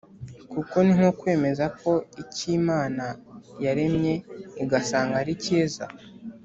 kuko ni nko kwemeza ko icyo imana yaremye igasanga ari cyiza